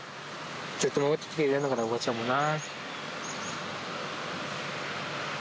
ずっと守ってきてくれたんだから、おばちゃんもな。